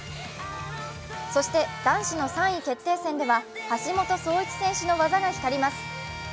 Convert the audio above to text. そして男子の３位決定戦では橋本壮市選手の技が光ります。